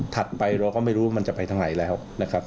ไปเราก็ไม่รู้มันจะไปทางไหนแล้วนะครับ